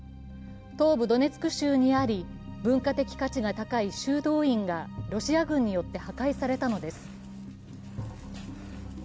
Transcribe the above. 東部ドネツク州にあり文化的価値が高い修道院がロシア軍によって破壊されたのです。